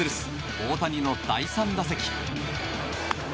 大谷の第３打席。